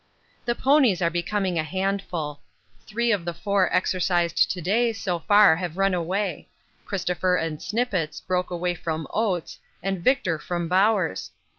The ponies are becoming a handful. Three of the four exercised to day so far have run away Christopher and Snippets broke away from Oates and Victor from Bowers.